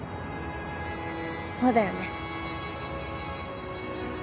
そうだよね。